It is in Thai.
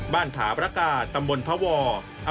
ขาประกาศตำบลพวอร์